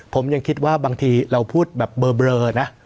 ผมยังคิดว่าบางทีเราพูดแบบเบลอนะ